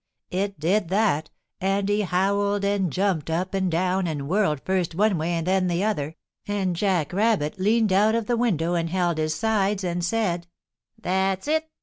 It did that, and he howled and jumped up and down and whirled first one way and then the other, and Jack Rabbit leaned out of the window and held his sides and said: "That's it!